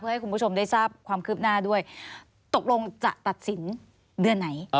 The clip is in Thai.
ให้คุณผู้ชมได้ทราบความคืบหน้าด้วยตกลงจะตัดสินเดือนไหน